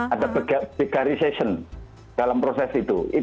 ada bigarization dalam proses itu